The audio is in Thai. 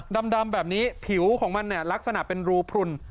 ดำแบบนี้ผิวของมันเนี่ยลักษณะเป็นรูพลุน